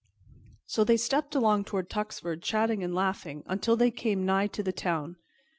So they stepped along toward Tuxford, chatting and laughing, until they came nigh to the town.